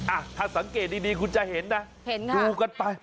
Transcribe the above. อ่ะถ้าสังเกตดีคุณจะเห็นนะเห็นไงดูกันไป